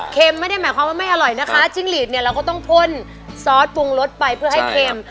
ไม่ได้หมายความว่าไม่อร่อยนะคะจิ้งหลีดเนี่ยเราก็ต้องพ่นซอสปรุงรสไปเพื่อให้เค็ม